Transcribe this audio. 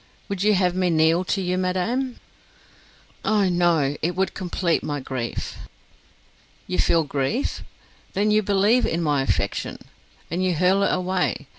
Would you have me kneel to you, madam?" "Oh, no; it would complete my grief." "You feel grief? Then you believe in my affection, and you hurl it away.